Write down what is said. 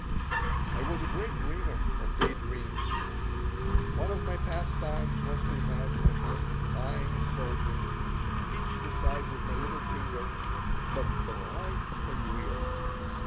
I was a great dreamer of day dreams. One of my pastimes was to imagine a host of tiny soldiers each the size of my little finger, "but alive and real."